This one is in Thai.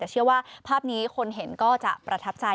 แต่เชื่อว่าภาพนี้คนเห็นก็จะประทับใจ